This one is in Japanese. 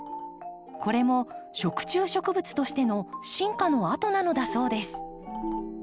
これも食虫植物としての進化の跡なのだそうです。